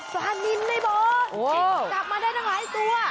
สาวนิ้วไหมบอกจับมาได้ทั้งหลายตัว